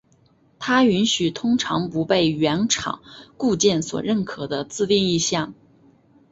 它允许通常不被原厂固件所认可的自定义项。